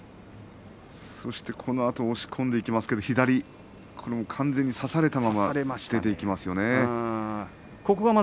そして、このあと押し込んでいきますが左、完全に差されたまま出ていきますよね。